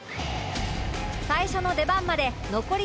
最初の出番まで残り１０分